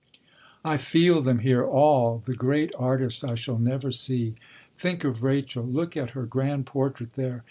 I feel them here, all, the great artists I shall never see. Think of Rachel look at her grand portrait there!